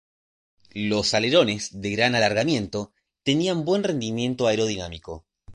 Los alerones, de gran alargamiento, tenían buen rendimiento aerodinámico.